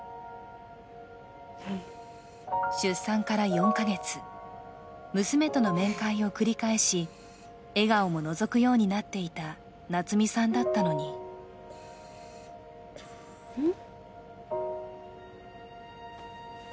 出産から４か月、娘との面会を繰り返し笑顔ものぞくようになっていた夏美さんだったのにん？